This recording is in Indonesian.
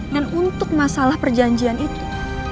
dan untuk masalah perjanjian itu